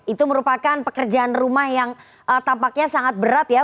itu merupakan pekerjaan rumah yang tampaknya sangat berat ya